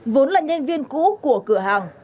vốn là nhân viên cũ của cửa hàng